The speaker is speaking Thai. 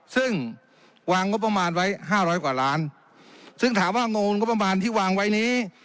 ซึ่งวางงบประมาณไว้ห้าร้อยกว่าล้านซึ่งถามว่างงงบประมาณที่วางไว้นี้